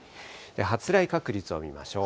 発雷確率を見ましょう。